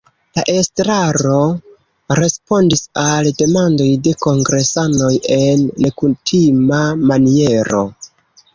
La estraro respondis al demandoj de kongresanoj en nekutima maniero.